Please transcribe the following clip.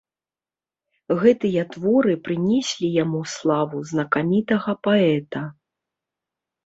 Гэтыя творы прынеслі яму славу знакамітага паэта.